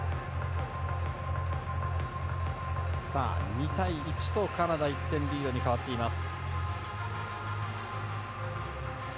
２対１とカナダが１点リードに変わっています。